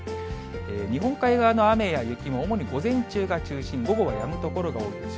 日本海では雨や雪は主に午前中が中心、午後はやむ所が多いでしょ